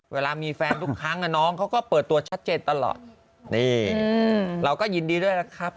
เวลามีแฟนทุกครั้งน้องเขาก็เปิดตัวชัดเจนตลอดนี่เราก็ยินดีด้วยนะครับ